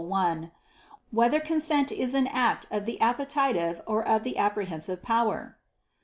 1] Whether Consent Is an Act of the Appetitive or of the Apprehensive Power?